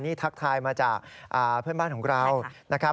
นี่ทักทายมาจากเพื่อนบ้านของเรานะครับ